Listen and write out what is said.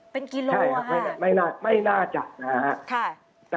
เป็นกิโลค่ะใช่ครับไม่น่าจัดนะฮะค่ะใช่